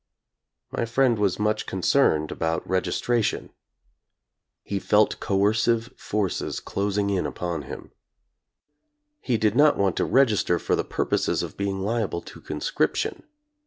My friend was much concerned about registration. He felt coercive forces closing in upon him. He did not want to register for the purposes of being liable to conscription.